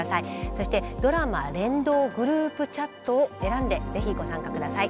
そして「ドラマ連動グループチャット」を選んで是非ご参加ください。